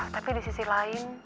tapi di sisi lain